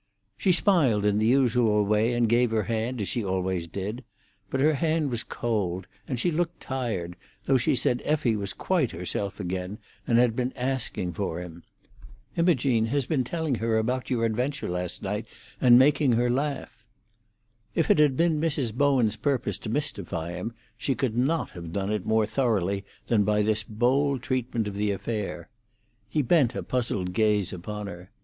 She smiled in the usual way, and gave her hand, as she always did; but her hand was cold, and she looked tired, though she said Effie was quite herself again, and had been asking for him. "Imogene has been telling her about your adventure last night, and making her laugh." If it had been Mrs. Bowen's purpose to mystify him, she could not have done it more thoroughly than by this bold treatment of the affair. He bent a puzzled gaze upon her.